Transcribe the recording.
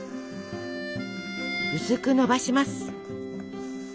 薄くのばします。